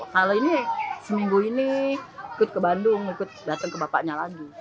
kalau ini seminggu ini ikut ke bandung ikut datang ke bapaknya lagi